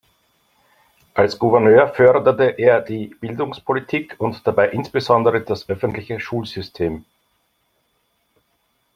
Als Gouverneur förderte er die Bildungspolitik und dabei insbesondere das öffentliche Schulsystem.